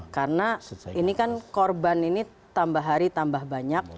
karena ini kan korban ini tambah hari tambah banyak